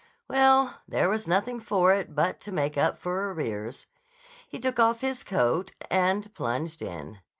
Well, there was nothing for it but to make up for arrears. He took off his coat and plunged in.